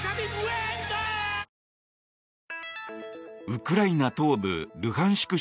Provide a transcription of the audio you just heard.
ウクライナ東部ルハンシク